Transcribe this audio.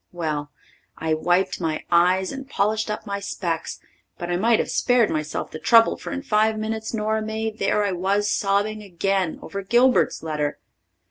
Well, I wiped my eyes and polished up my specs, but I might have spared myself the trouble, for in five minutes, Nora May, there was I sobbing again; over Gilbert's letter.